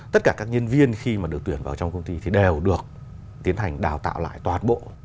tất cả các nhân viên khi mà được tuyển vào trong công ty thì đều được tiến hành đào tạo lại toàn bộ